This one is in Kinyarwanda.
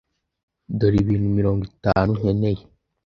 dore ibintu mirongo itanu nkeneye